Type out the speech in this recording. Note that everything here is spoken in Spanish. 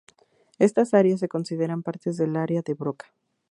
Estas áreas se consideran partes del área de Broca.